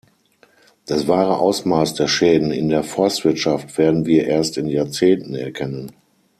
Das wahre Ausmaß der Schäden in der Forstwirtschaft werden wir erst in Jahrzehnten erkennen.